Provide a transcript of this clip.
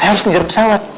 saya harus ke jarum pesawat